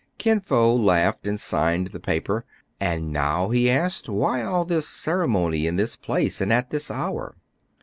Kin Fo laughed, and signed the paper. "And now," he asked, "why all this ceremony in this place, and at this hour